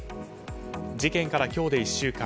事件から、今日で１週刊。